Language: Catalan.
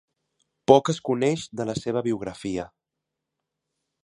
Poc es coneix de la seva biografia.